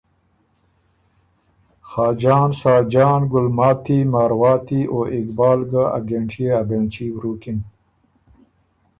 خاجان، ساجان، ګُلماتی، مارواتی او اقبال ګۀ ا ګهېنټيې ا بېنلچي ورُوکِن،